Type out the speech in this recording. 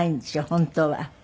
本当は。